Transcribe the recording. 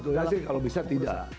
betul ya sih kalau bisa tidak